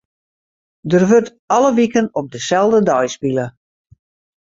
Der wurdt alle wiken op deselde dei spile.